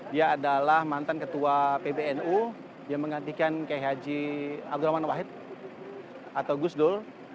dia adalah mantan ketua pbnu yang mengantikan kehaji abdulman wahid atau gusdul